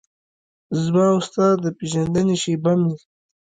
زما او ستا د پیژندنې شیبه مې